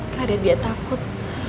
karena dia takut